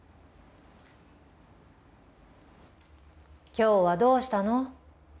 今日はどうしたの？